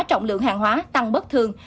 trọng lượng hàng hóa tăng bất thường